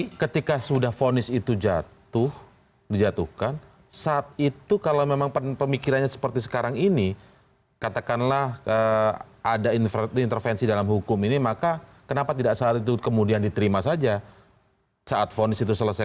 tapi ketika sudah vonis itu jatuh dijatuhkan saat itu kalau memang pemikirannya seperti sekarang ini katakanlah ada intervensi dalam hukum ini maka kenapa tidak saat itu kemudian diterima saja saat vonis itu selesai